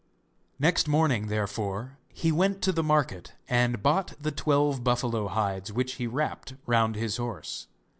Next morning, therefore, he went to the market and bought the twelve buffalo hides which he wrapped round his horse.